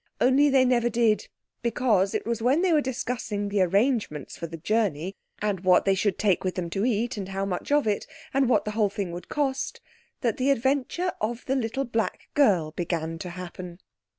Only they never did, because it was when they were discussing the arrangements for the journey, and what they should take with them to eat and how much of it, and what the whole thing would cost, that the adventure of the Little Black Girl began to happen.